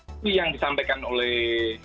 itu yang disampaikan oleh